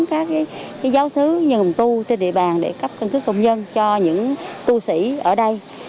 các giáo sứ như hùng tu trên địa bàn để cấp căn cước công dân cho những tu sĩ ở đây